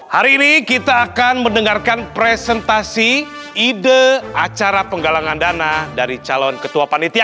hari ini kita akan mendengarkan presentasi ide acara penggalangan dana dari calon ketua panitia